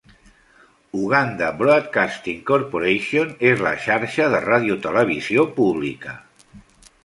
Uganda Broadcasting Corporation és la xarxa de radiotelevisió pública.